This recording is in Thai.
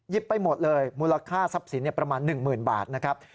ไปหมดเลยมูลค่าทรัพย์สินประมาณ๑๐๐๐บาทนะครับ